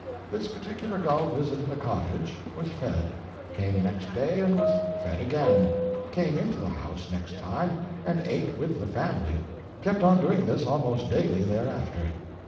This particular gull visited a cottage; was fed; came next day and was fed again; came into the house, next time, and ate with the family; kept on doing this almost daily, thereafter.